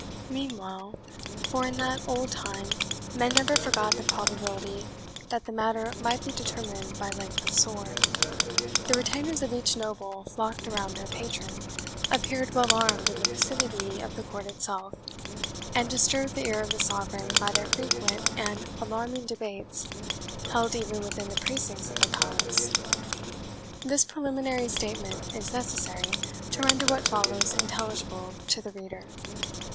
Meanwhile for in that old time men never forgot the probability that the matter might be determined by length of sword the retainers of each noble flocked around their patron, appeared well armed in the vicinity of the court itself, and disturbed the ear of the sovereign by their frequent and alarming debates, held even within the precincts of her palace. This preliminary statement is necessary, to render what follows intelligible to the reader.